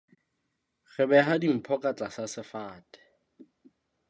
Re beha dimpho ka tlasa sefate.